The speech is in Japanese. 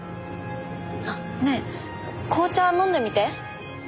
ねえ紅茶飲んでみて。